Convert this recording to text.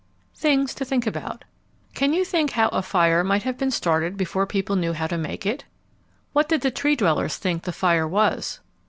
THINGS TO THINK ABOUT Can you think how a fire might have been started before people knew how to make it? What did the Tree dwellers think the fire was?